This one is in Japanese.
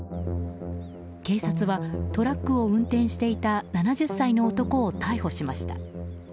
警察は、トラックを運転していた７０歳の男を逮捕しました。